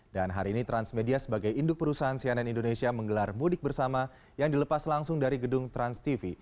hari ini transmedia sebagai induk perusahaan cnn indonesia menggelar mudik bersama yang dilepas langsung dari gedung transtv